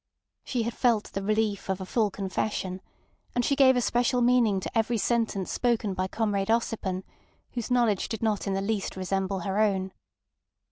She had felt the relief of a full confession, and she gave a special meaning to every sentence spoken by Comrade Ossipon, whose knowledge did not in the least resemble her own.